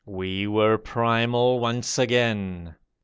We were primal once again.